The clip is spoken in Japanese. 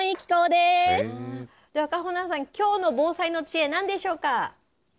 ではかほなんさん、きょうの防災の知恵、なんでしょうか？